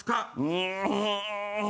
うん。